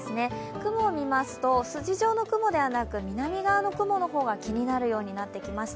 雲を見ますと、筋状の雲ではなく、南側の雲の方が気になるようになってきました。